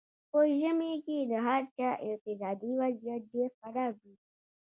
په ژمي کې د هر چا اقتصادي وضیعت ډېر خراب وي.